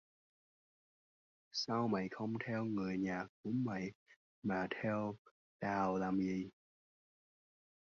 Sao mày không theo người nhà của mày mà theo tao làm gì